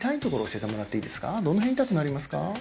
今どの辺痛くなりますか？